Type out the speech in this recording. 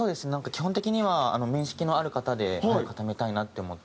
基本的には面識のある方で固めたいなって思って。